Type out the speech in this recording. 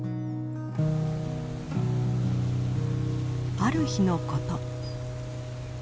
ある日のこと。